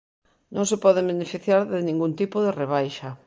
Non se poden beneficiar de ningún tipo de rebaixa.